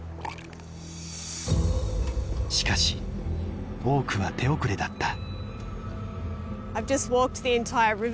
しかし多くは手遅れだった。